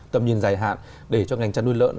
tầm nhìn dài hạn để cho ngành chăn nuôi lợn